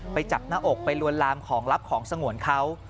ไปจับหน้าอกไปลวนลามของลับของสงวนเขา